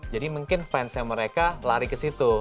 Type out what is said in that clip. mungkin fansnya mereka lari ke situ